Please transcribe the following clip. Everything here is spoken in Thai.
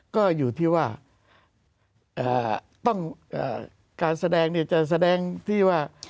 ก็อยู่ที่ว่าต้องการแสดงเนี่ยจะแสดงที่ว่า